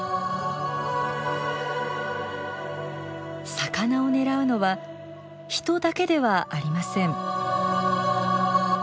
魚を狙うのは人だけではありません。